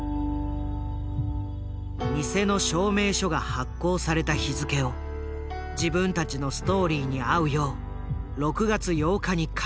偽の証明書が発行された日付を自分たちのストーリーに合うよう６月８日に書き換えていた。